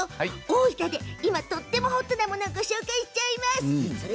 大分で今とってもホットなものをご紹介しちゃいます。